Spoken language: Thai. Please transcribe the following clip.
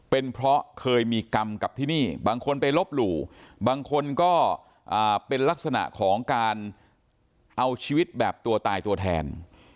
เป็นเพราะเคยมีกรรมกับที่นี่บางคนไปลบหลู่บางคนก็เป็นลักษณะของการเอาชีวิตแบบตัวตายตัวแทน